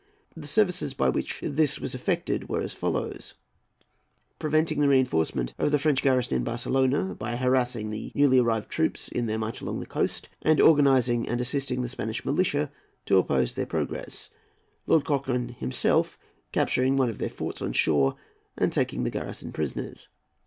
The services by which this was effected were as follows:—Preventing the reinforcement of the French garrison in Barcelona, by harassing the newly arrived troops in their march along the coast, and organising and assisting the Spanish militia to oppose their progress, Lord Cochrane himself capturing one of their forts on shore, and taking the garrison prisoners.